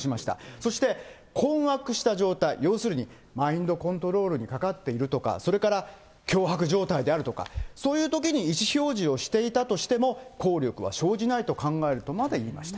そして困惑した状態、要するに、マインドコントロールにかかっているとか、それから、脅迫状態であるとか、そういうときに意思表示をしていたとしても、効力は生じないと考えるとまで言いました。